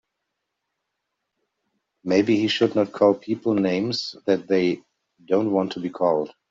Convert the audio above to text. Maybe he should not call people names that they don't want to be called.